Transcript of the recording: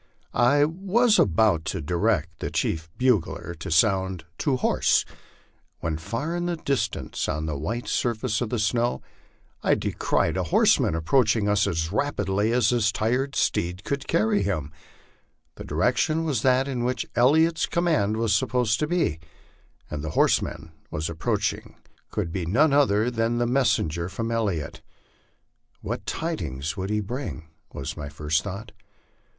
I was about to direct the chief bugler to sound " To horse," when far in the distance, on the white surface of the snow, I descried a horseman approaching us as rapidly as his tired steed could carry him. The direction was that in which Elliot's command was supposed to be, and the horseman approaching could be none other than a messenger from Elliot. What tidings would he bring? was my first thought.